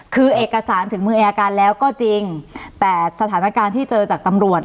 คือเอกสารถึงมืออายการแล้วก็จริงแต่สถานการณ์ที่เจอจากตำรวจ